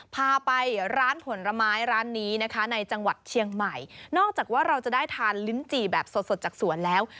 พาไปร้านผลไม้ร้านนี้นะคะในจังหวัดเชียงใหม่นอกจากว่าเราจะได้ทานลิ้นจี่แบบสดสดจากสวนแล้ว